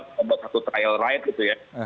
kita buat satu trial ride gitu ya